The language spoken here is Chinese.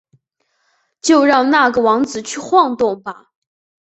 就让那个王子去晃动吧！